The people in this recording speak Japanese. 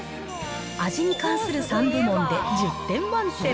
味に関する３部門で１０点満点。